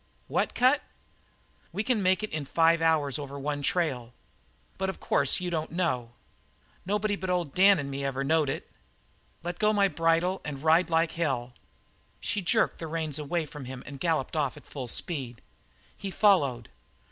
"What cut?" "You can make it in five hours over one trail. But of course you don't know. Nobody but old Dan and me ever knowed it. Let go my bridle and ride like hell." She jerked the reins away from him and galloped off at full speed. He followed.